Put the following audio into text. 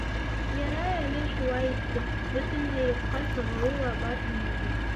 Ярай әле шулай итте —бөтөнләй юҡҡа сығыуы ла бар ине бит!